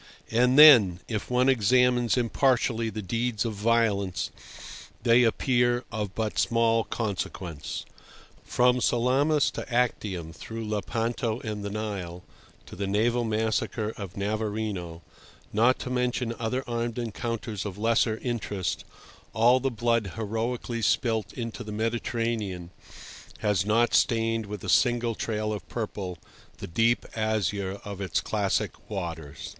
And then, if one examines impartially the deeds of violence, they appear of but small consequence. From Salamis to Actium, through Lepanto and the Nile to the naval massacre of Navarino, not to mention other armed encounters of lesser interest, all the blood heroically spilt into the Mediterranean has not stained with a single trail of purple the deep azure of its classic waters.